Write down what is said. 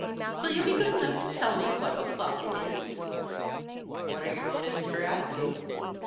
"Will you be good enough to tell me what o'clock it is?" "What are your motives for asking?"